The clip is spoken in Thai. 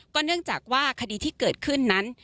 เนื่องจากว่าคดีที่เกิดขึ้นนั้น